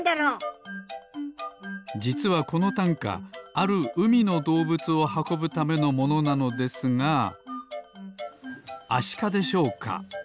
じつはこのたんかあるうみのどうぶつをはこぶためのものなのですがアシカでしょうか？